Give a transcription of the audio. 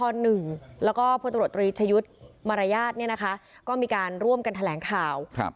แล้วก็พลตรวจตรีชยุทธ์มารยาทเนี่ยนะคะก็มีการร่วมกันแถลงข่าวครับ